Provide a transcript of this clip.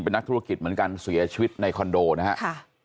เป็นนักธุรกิจเหมือนกันเสียชีวิตในคอนโดนะครับ